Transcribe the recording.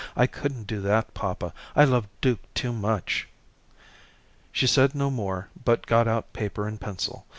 "I couldn't do that, papa. I love Duke too much." She said no more but got out paper and pencil.